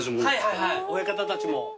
はいはい親方たちも。